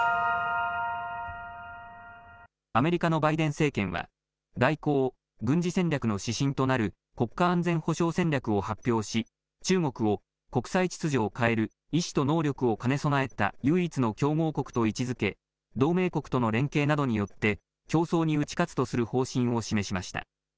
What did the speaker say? アメリカのバイデン政権は、外交・軍事戦略の指針となる国家安全保障戦略を発表し、中国を国際秩序を変える意思と能力を兼ね備えた唯一の競合国と位置づけ、同盟国との連携などによって競争に打ち勝つとする方針を示しました。